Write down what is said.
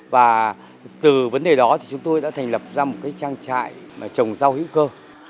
và từ vấn đề đó thì chúng tôi đã thành lập ra một cái trang trại mà trồng rau hữu cơ